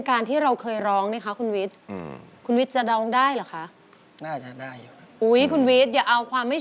ใครเห็นสักนิดขอให้ลุ่มลง